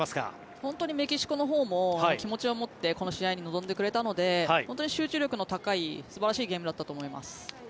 本当にメキシコのほうも気持ちを持って臨んでくれたので集中力の高い素晴らしいゲームだったと思います。